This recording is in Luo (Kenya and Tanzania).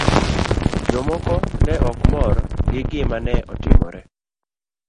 Jomoko ne ok mor gi gima ne otimore.